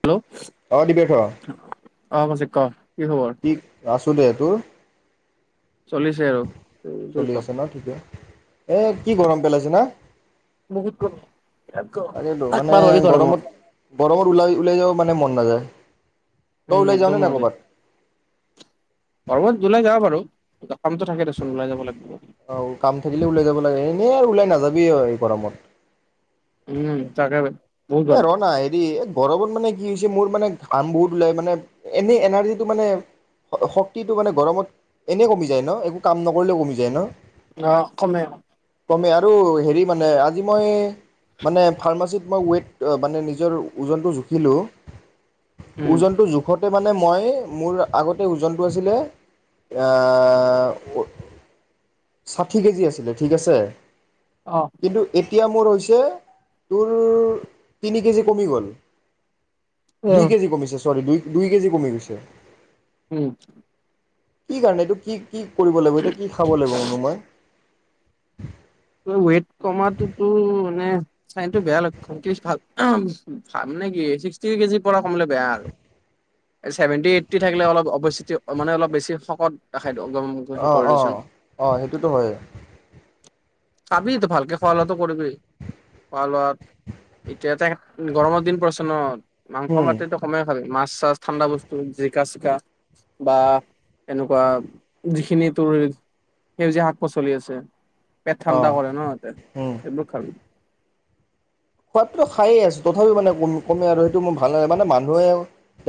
Hello অ দিব্যাৰ্থ [inaudible] অ', কৌশিক ক'? কি খবৰ [unintelligible] [unintelligible] চলিছে আৰু তোৰ চলি ক'? আছে ন ঠিকে এ কি গৰম পেলাইছে না? বহুত গৰম বিৰাট গৰম তাকেটো মানে থাকবা নোৱাৰি গৰমত, গৰমত ওলাই, ওলাইও যাব মানে মন নাযায়। তই উম ওলাই যাও নে নাই কৰ'বাত? পৰ্বত ওলাই যাও বাৰু অ', কাম থাকিলে ওলাই যাব লাগে। [unintelligible] ওলাই নাযাবি অই এই গৰমত। উম তাকে বহুত এ গৰম ৰনা হেৰি এই গৰমত মানে কি হৈছে মোৰ মানে কাম বহুত ওলায়, মানে এনেই এনাৰ্জিটো মানে, শক্তিটো মানে গৰমত এনেই কমি যায় ন? একো কাম নকৰিলেও কমি যায় ন? অ' কমে। কমে আৰু হেৰি মানে আজি মই মানে ফাৰ্মাচীত মই ওৱেইত মানে নিজৰ ওজনটো জুখিলোঁ। উম ওজনটো জোখত তে মানে মই, মোৰ আগতে ওজনটো আছিলে, এইয়া ষাঠি কেজি আছিলে ঠিক আছে। অ কিন্তু এতিয়া এতিয়া মোৰ হৈছে তোৰ তিনি কেজি কমি গ'ল। অ দুই কেজি কমিছে। চৰ্বি, দুই দুই কেজি কমি গৈছে। উম কি কাৰণে, এইটো কি? কি কৰিব লাগিব, এতিয়া কি খাব লাগিব? মোৰ ৱেত কমাতো ত' চাইনতো বেয়া লক্ষ্য। [unintelligible] কি চিক্সটি কেজিৰ পৰা কমিলে বেয়া আৰু ছেভেনটি এইট্টি থাকিলে অলপ বেছি, মানে অলপ বেছি শকত দেখ অ' অ' অ' সেইটোতো হয়। খাবি তো ভালকে খোৱা-লোৱাটো কৰিবি। খোৱা-লোৱা এতিয়াতো গৰমৰ দিন পৰিছে ন, মাংস মাত্ৰাতো কমেই খাবি। মাছ-চাছ, ঠাণ্ডা বস্তু, জিকা চ বা! বা! এনেকুৱা যিখিনি তোৰ সেউজীয়া শাক-পাচলি আছে। পেট অঁ ঠাণ্ডা কৰে ন, ! সেইবোৰ খাবি। খোৱাতটো খায়ে আছোঁ, তথাপিও মানে, কম কমে আৰু! সেইটো মানে ভাল নালাগে। মানে, মানুহেও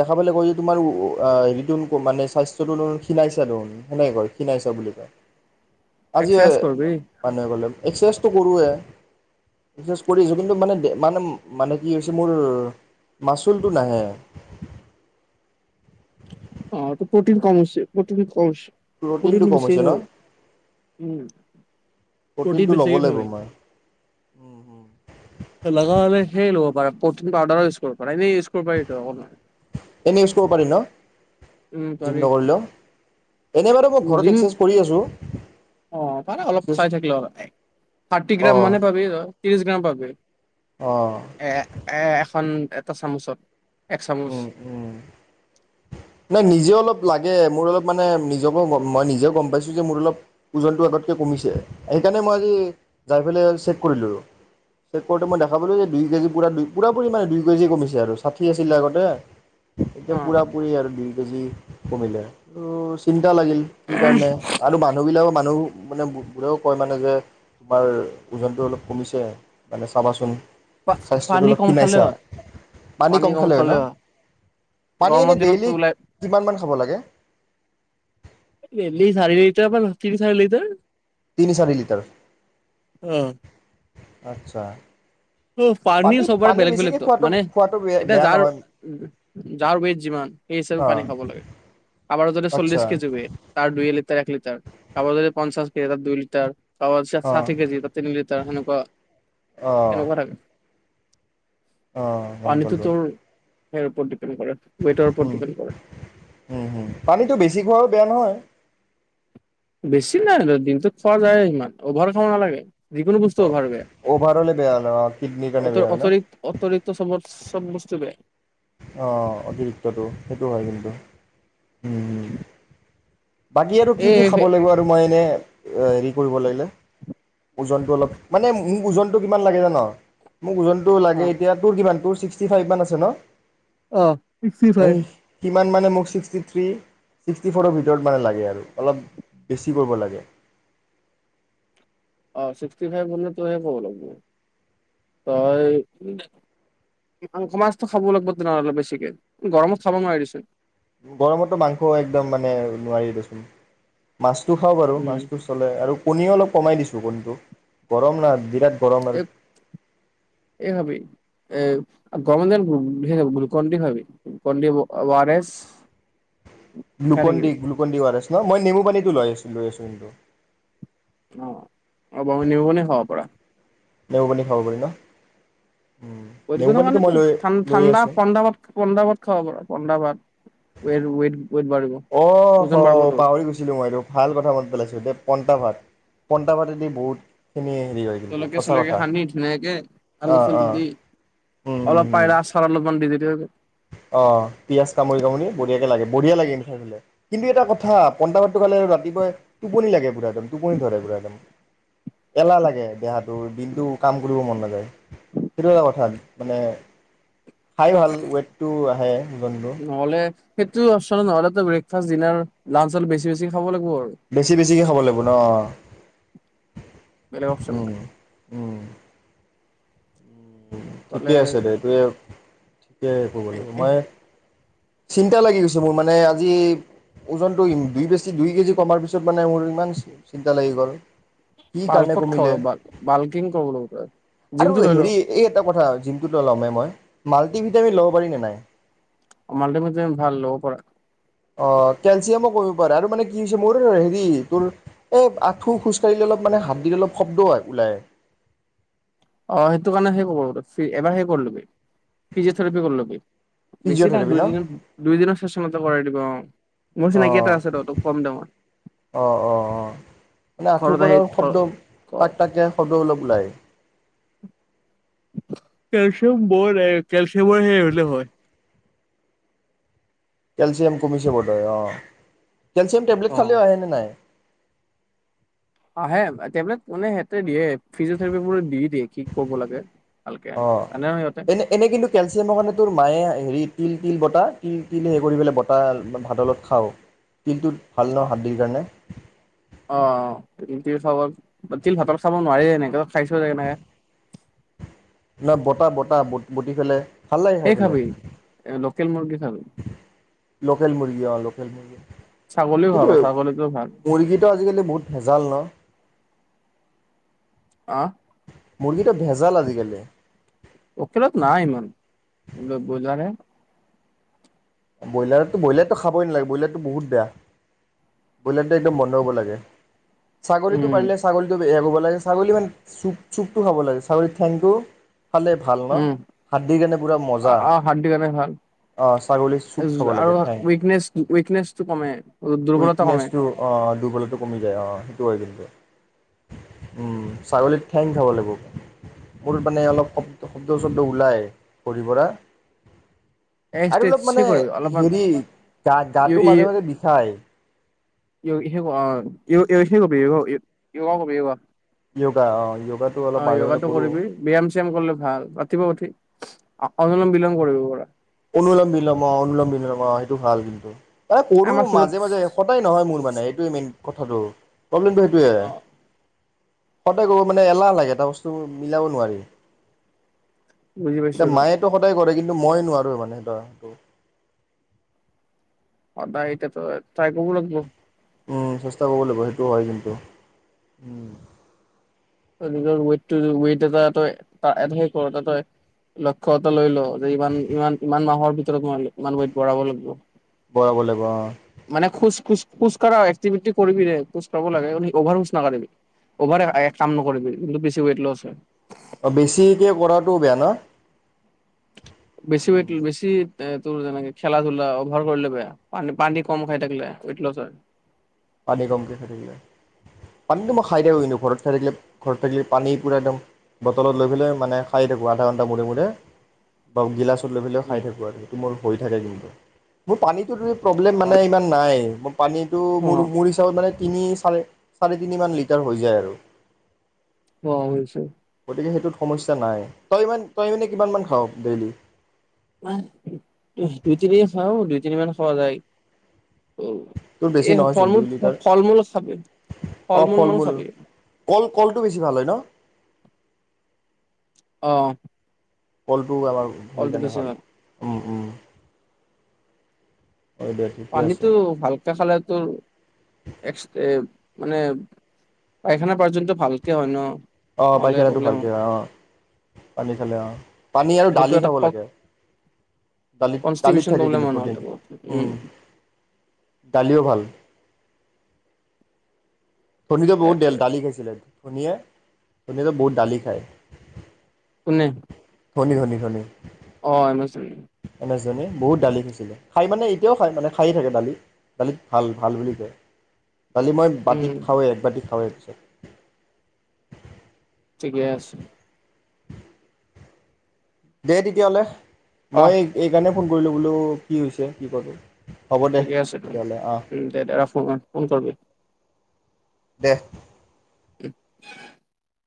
দেখা পালে কয় যে, তোমাৰ ৱে, আ, এ হেৰিতো মানে, স্বাস্থ্যটো খীণাইছা দেখোন। সেনেকে কয়, খীণাইছা বুলি কয়। আজি এক্সাৰচাইজ কৰবি মানুহে ক'লে! এক্সাৰচাইজটো কৰোৱে। [unintelligible] কিন্তু মানে, দে, মানে, মানে কি হৈছে মোৰ, মাচুলটো নাহে। অ' তোৰ প্ৰ'টিন কম হৈছে, প্ৰ'টিন কম হৈছে। প্ৰ'টিনটো প্ৰ'টিন কম বেছিকে হৈছে ন খাবি। উম। প্ৰ'টিন প্ৰ'টিনটো ল'ব বেছিকে লাগিব খাবি। মই লাগা, হ'লে সেই ল' [unintelligible] পাৰা। প্ৰ'টিন পাউাৰো ইউজ কৰিব পাৰে! দেই এনে ইউজ কৰিব পাৰি ন, উম জিম পাৰি নকৰিলেও? এনে বাৰু! মই ঘৰত জিম এক্সাৰচাইজ কৰি আছোঁ। অ' পাৰে অলপ এক্সাৰচাইজ চাই থাকিল হয়। থাৰ্টি গ্ৰাম অঁ মানে পাবি তই। ত্ৰিশ গ্ৰাম পাবি। অঁ এ, এ, এখন এটা চামুচত। এক চামুচ। উম উম। নাই, নিজেও অলপ লাগে। মোৰ অলপ মানে, নিজকো মই নিজেও গম পাইছোঁ যে, মোৰ অলপ ওজনটো আগতকে কমিছে। সেইকাৰণে, মই আজি যাই পেলাই চেক কৰিলোঁ। চেক কৰোঁতে, মই দেখা পালোঁ যে, দুই কেজি পুৰা দুই, পুৰাপুৰি মানে দুই কেজি কমিছে আৰু, ষাঠি আছিলে আগতে! অ এতিয়া পুৰাপুৰি আৰু! দুই কেজি কমিলে। অ! চিন কিয় লাগিল। কি কাৰণে? আৰু মানুহ বিলাকক মানুহবোৰে মানে, বোলে কয় মানে যে, তোমাৰ ওজনটো অলপ কমিছে, মানে চাবাচোন! পা স্বাস্থ্যটো পানী অলপ কম খালে খীনাইছা, হয়। পানী কম খালে হয় ন? পানী গৰমৰ এনে দিনতটো ডেইলী ওলাই কিমান খাব লাগে? [unintelligible] তিন-চাৰি লিটাৰ। তিনি-চাৰি লিটাৰ, অ আচ্ছা! ত' পানী চবৰে পানী বেছিকে বেলেগ-বেলেগতো খোৱাটো মানে খোৱাটো বেয়া এতিয়া বেয়া নহয় যাৰ-যাৰ, ওৱেইট যিমান সেই হিচাপে পানী অ' খাব লাগে। কাবাৰো যদি চল্লিশ আচ্ছা। কেজি ওৱেইট তাৰ দুই লিটাৰ, এক লিটাৰ কাৰোবাৰ যদি পঞ্চাছ দুই লিটাৰ অঅৱশ্যে অ' ষাঠি কেজি, তিনি লিটাৰ সেনেকুৱা। অ' এনেকুৱা থাকে। অ' গম পানীটো পালোঁ। তোৰ [unintelligible] ৱেইটৰ ওপৰত হম', ডিপেণ্ড কৰে উম', হম', পানীতটো বেছি খোৱাও বেয়া নহয়? বেছি নাই দিনটোত খোৱা যায়ে ইমান অভাৰ খাব নালাগে। যিকোনো বস্তু অভাৰ বাবে অভাৰ হ'লে বেয়া হয় কিডনীৰ কাৰণে অ' বেয়া হয় ন। অতৰি অতৰিক্ত চবত চব বস্তুৰে। অ', অতিৰিক্তটো সেইটো হয় কিন্তু উম। বাকী আৰু কি-কি, খাব এই লাগিব আৰু মই এনে? হেৰি কৰিব লাগিলে, ওজনটো অলপ মানে মোক ওজনটো কিমান লাগে যা' ন। মোক ওজনটো অ লাগে, এতিয়া তোৰ কিমান তোৰ? ছিক্সটি ফাইভ মান আছে ন? অ' ছিক্সটি ফাইভ। ইমান মানে মোক ছিক্সটি থ্ৰী, ছিক্সটি ফৰৰ ভিতৰত য'ত মানে লাগে আৰু অলপ বেছি ক'ৰব লাগে। অ ছিক্সটি ফাইভ হলে তোহে ক'ব লাগিব তই মাছটো খাব লাগিব তেনেহলে বেছিকে অলপ বেছিকে গৰমত খাব নোৱাৰি দেচোন গৰমতো মাংস একদম মানে নোৱাৰি দেচোন মাছ, হয় বাৰু উম মাছটো চলে আৰু কণীও অল কমাই দিছো কণীটো গৰম না বিৰাত। [unintelligible] গৰমৰ দিনত গ্লুকনডি খাবি। গ্লুকনডি ও আৰ এছ খাই থাকিবি গ্লুকনডি-গ্লুকনডি, অ' আৰ এছ। মই-মই, নেমু পানীটো লৈ আছোঁ, লৈ আছোঁ কিন্তু। অ' এবাৰনেমু পানী খাব পাৰা। নেমু পানী খাব পাৰি ন? নেমু বডীৰ পানীটো কাৰণেটো মই লৈ লৈ ঠাণ্ডা-ঠাণ্ডা আছোঁ পন্তাভাত-পন্তাভাত খাব পাৰা, পন্তভাত। [unintelligible] অ', হ' পাহৰি গৈছিলো মই এইটো ভাল কথা মন পেলাইছ দে। পন্তাভাত-পন্তাভাতে দি বহুত খিনি জলকীয়া চলকীয়া সানি ধুনীয়াকে আলু অ' চালু অ' দি উম উম অলপ উম পাইৰা আচাৰ অলপমান দি দিবি। যে [inaudible] অ পিয়াজ কামুৰি কামুৰি বঢ়িয়াকে লাগে বঢ়িয়া লাগে খাই পাই কিন্তু এটা কথা পন্তা ভাতটো খালে আৰু ৰাতিপুৱাই টোপনি লাগে পুৰা একদম টোপনি ধৰে পুৰা একদম এলাহ লাগে দেহাটোৰ দিনটো কাম কৰিব মন নাযায় সেইটো এটা কথা মানে খাই ভাল ৱেইট টো আহে জন্তু নহ'লে সেইটো অপচন নহলেতো ব্ৰেকফাষ্ট ডিনাৰ লাঞ্চ বেছি বছি খাব লাগে বেছি বেছিকে খাব লাগিব ন বেলেগ অপ্চন নাই অ ঠিকে নহ'লে আছে দে সেইটোৱে দে শুব লাগিব মই চিন্তা লাগি গৈছে মোৰ মানে আজি ওজনটো দুই বেছি দুই কেজি কমাৰ পিছত মানে মোৰ ইমান চিন্তা লাগি গ'ল কি ভাল কাৰণে ক'ত খাব ল কমিলে ভাল ভাল কিং ক ল আৰু জিমটো লৈ ল হেৰি এই এটা কথা জিমটোত লমেই মই মাল্টি ভিটামিন ল'ব পাৰি নে নাই মালটোমিতিম ভাল লব পৰা অ কেলচিয়ামো কমিব পাৰে আৰু মানে কি হৈছে মোৰ হেৰি তোৰ এই আঁঠু খোজকাঢ়িলে অলপ মানে হাত দিলে অলপ শব্দ ওলায় অ সেইটো কাৰণে সেই কাৰ এবাৰ সেই কৰিলবি ফিজিঅ থেৰেপি কৰি লবি বেছি দা ফিজিঅ'থেৰাপি ন? দুইদিনৰ দুইদিনৰ চেচনতে কৰাই দিব অ মোৰ চিনাকি এটা অ' আছে ৰ তক কম দে মই অ' অ' অ' মানে আঁঠুৰ ঘৰত পৰা আহি থ শব্দ টাক টাককে শব্দ অলপ ওলাই কেলচিয়াম বৰ কেলচিয়াম বৰ সেৱাই হলে হয় কেলচিয়াম কমিছে বোধৈ অ কেলছিয়াম টেবলেট অ', খালীও আহে নে নাই আহে টেবলেট মানে সিহঁতে দিয়ে ফিজিঅথেৰেপি বোৰ দি দিয়ে কি কৰিব লাগে। ভালকে অ জানে ন সিহঁতে এনে এনে কিন্তু কেলচিয়ামৰ কাৰণে তোৰ মায়ে হেৰি তিল তিল তিল বতাহ তিল তিল সেই কৰি পেলাই বতাহ ভাতৰ লগত খাওঁ তিলটোত ভাল ন অ', হাতদিৰ কাৰণে অ তিল খাব তিল ভাতৰ চাব নোৱাৰিে এনেক খাইছো যে কেনেকে ন বতাহ বতাহ বটি ফেলে এই খাবি লোকেল মুৰ্গী খাবি লোকেল মুৰ্গী অ লোকেল মুৰ্গী ছাগলীও কিন্তু খাবা ছাগলীটো ভাল। মুৰ্গীটো আজিকালি বহুত ভেজাল ন অ মুৰ্গীটো ভেজাল আজিকালি উকিলত নাই ইমান লুট বজাৰে ব্ৰইলাৰতো ব্ৰইলাৰটো খাবই নালাগে ব্ৰইলাৰটো বহুত বেয়া ব্ৰইলাৰটো একদম বন্ধ হ'ব লাগে ছাগলীটো উম, পাৰিলে ছাগলীতো ছাগলী মানে চুপ চুপটো খাব লাগে ছাগলী থেংক টো খালে ভাল ন উম। হাত দি কাৰণে পুৰা মজা অঁ ছাগলী চুপ উজ খাব আৰু লাগে ঠেং উইকনেছ উইকনেছটো কমে দুৰ্বলতা কমে। উইকনেছটো অ দুৰ্বলতাটো কমি যায় অ সেইটো হয় কিন্তু। উম ছাগলীৰ ঠেং খাব লাগিব। মোৰ মানে অলপ শব্দ শব্দ ছব্দ ওলায় ভৰিৰ পৰা। আৰু অলপ মানে এক্ট্ৰেছহে কৰিব হেৰি গা গাটো মাজে মাজে বিষায়। [unintelligible] অ য়োগাতটো য়োগা অঁ য়োগাটো অলপ মাজে মাজে কৰোঁ কৰিবি ব্যায়াম শ্যায়াম কৰিলে ভাল ৰাতিপুৱা উঠি। অনুলম বিলম কৰিব পৰা। অনুলম বিলম অ অনুলম বিলম অ সেইটো ভাল কিন্তু। মানে কৰো আমাৰ স্কুলত মাজে মাজে সদায় নহয় মোৰ মানে এইটোৱে মেইন। কথাটো। প্ৰব্লেমটো সেইটোৱে। অ সদায় কৰোঁ মানে এলাহ লাগে এটা বস্তু মিলাব নোৱাৰি। বুজি পাইছো এতিয়া ৰ মায়েটো সদায় কৰে কিন মই নোৱাৰোঁ। তৰ মানে তা টো। সদায় এতিয়াটো ট্ৰাই কৰিব লাগিব উম চেষ্টা কৰিব লাগিব সেইটো হয় কিন্তু, উম। নিজৰ ৱেটটো ৱেট এটা তই হেৰী কৰ তই লক্ষ্য এটা লৈ ল যে ইমান ইমান ইমান মাহৰ ভিতৰত মই ইমান ৱেইট বঢ়াব লাগব। বঢ়াব লাগিব অ। মানে খোজ খোজ খোজ কাঢ়া এক্টিভিটি কৰিবিৰে। খোজ কাঢ়িব লাগে এনি অভাৰ খোজ নাকাঢ়িবি। অভাৰ এক কাম নকৰিবি কিন্তু বেছি উইক লছ হয়। অ বেছিকে কৰাটো বেয়া ন। বেছি ৱেট বেছি এ তোৰ যেনেকে খেলা-ধূলা অভাৰ কৰিলে বেয়া। পানী পানী কম খাই থাকিলে উইক লছ হয়। পানী কমকৈ খাই থাকিলে। পানীটো মই খাই থাকো কিন্তু ঘৰত থাকিলে। ঘৰত থাকিলে পানী পূৰা একদম বটলত লৈ পেলাই মানে খাই থাকোঁ আধা ঘণ্টা মূৰে মূৰে বা গিলাচ লৈ পেলাই খাই উম থাকো আৰু সেইটো মোৰ হৈ থাকে কিন্তু। মোৰ পানীত প্ৰব্লেম অ মানে ইমান নাই পানীটো অ মোৰ মানে তিনি- চাৰি, চাৰি- তিনিমান লিটাৰমান হৈ যায় আৰু। অ হৈছে। গতিকে সেইটোত সমস্যা নাই। তই কিমান তই মানে কিমানমান খাৱ ডেইলি? দুই তিনি খাও দুই তিনিমান খোৱা যায়। তোৰ বেছি এই নহয়চোন ফল মূল দুই লিটাৰ ফল মূল খাবি ফল মূল মানে খাবি। কল কলটো বেছি ভাল হয় ন। অ। কল টো আমাৰ হেৰি ফলটো কাৰণে বেছি ভাল। উম উম', হয় দে ঠিকে আছে পানীটো ভালকে খালে তো এক্স এম [unintelligible] মানে, পায়খানা পৰ্যন্ত ভালকৈ হয় ন? অ নহ'লে পায়খানাটো প্ৰব্লেম হয় ভালকৈ অ' পানী খালে অ' পানী আৰু দাইল সেইটো এটা খাব লাগে। দাইলত, দাইলত কনষ্টিটিউচন থাকে প্ৰব্লেম কিন্তু হয় প্ৰ'টিন। নহ'লে বহুত উম দাইলও ভাল। শনিতো বহুত দেল সেইটোৱে দাইল খাইছিলে। শনিয়ে শনিয়েটো বহুত দাইল খায়। কোনে? শনি, শনি, শনি। অ [inaudible] উম। জনীয়ে বহুত দাইল খাইছিলে। খায় মানে এতিয়াও খায় মানে খাইয়ে থাকে দাইল--দাইল ভাল, ভাল বুলি কয়। কালি মই বাতিত উম খাওঁয়েই, এক বাতি খাওঁয়েই [unintelligible] ঠিকে আছোঁ। দে তেতিয়াহ'লে অ মই এই এই কাৰণেই ফোন কৰিলোঁ বোলোঁ কি হৈছে, কি কৰোঁ? হ'ব দে ঠিকে আছে তো তেতিয়াহ'লে অঁ উম, দে দে ৰাখো অ', ফোন কৰবি। দে [unintelligible]